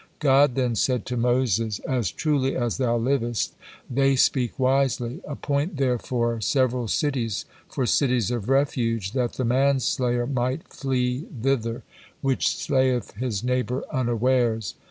God then said to Moses: "As truly as thou livest, they speak wisely. Appoint therefore several cities for cities of refuge, 'that the manslayer might flee thither, which slayeth his neighbor unawares.'"